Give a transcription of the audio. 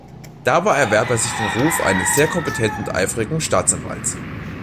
Dabei erwarb er sich den Ruf eines sehr kompetenten und eifrigen Staatsanwalts.